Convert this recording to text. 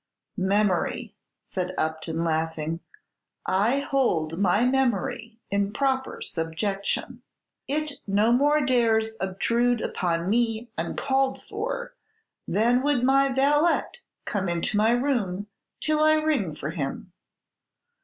"Memory!" said Upton, laughing, "I hold my memory in proper subjection. It no more dares obtrude upon me uncalled for than would my valet come into my room till I ring for him.